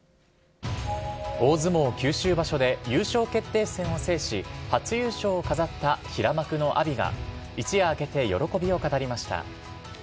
大相撲九州場所で優勝決定戦を制し、初優勝を飾った平幕の阿炎が、一夜明けて、喜びを語りました。